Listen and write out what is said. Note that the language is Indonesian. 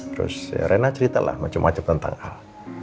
terus ya rena cerita lah macem macem tentang al